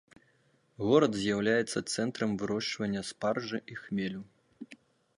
Горад з'яўляецца цэнтрам вырошчвання спаржы і хмелю.